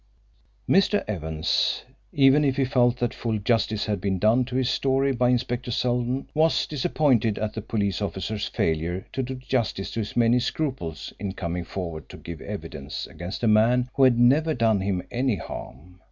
Mr. Evans, even if he felt that full justice had been done to his story by Inspector Seldon, was disappointed at the police officer's failure to do justice to his manly scruples in coming forward to give evidence against a man who had never done him any harm.